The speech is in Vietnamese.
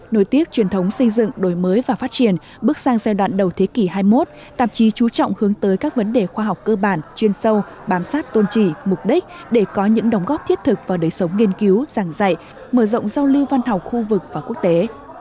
nổi tiếc truyền thống xây dựng đổi mới và phát triển bước sang giai đoạn đầu thế kỷ hai mươi một tạp chí chú trọng hướng tới các vấn đề khoa học cơ bản chuyên sâu bám sát tôn trị mục đích để có những đóng góp thiết thực vào đời sống nghiên cứu giảng dạy mở rộng giao lưu văn học khu vực và quốc tế